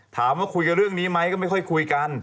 ถามว่าคุยกันเรื่องนี้ไหมก็ไม่ค่อยคุยกัน